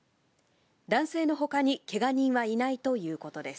男性のほかにけが人はいないということです。